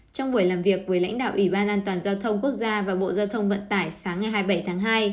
trong buổi làm việc với lãnh đạo ủy ban an toàn giao thông quốc gia và bộ giao thông vận tải sáng ngày hai mươi bảy tháng hai